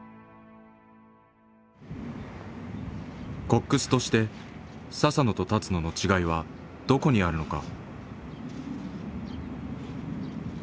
コックスとして佐々野と立野の違いはどこにあるのか。